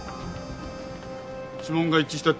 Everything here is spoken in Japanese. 指紋が一致したってよ。